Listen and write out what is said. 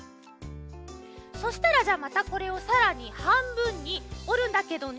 そしたらじゃあまたこれをさらにはんぶんにおるんだけどね